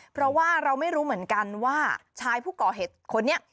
เพราะว่าเราไม่รู้เหมือนกันว่าชายผู้ก่อเหตุคนนี้